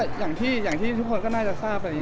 จะอย่างที่ทุกคนก็น่าจะทราบ